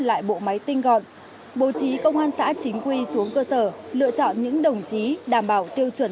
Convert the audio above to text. lại bộ máy tinh gọn bố trí công an xã chính quy xuống cơ sở lựa chọn những đồng chí đảm bảo tiêu chuẩn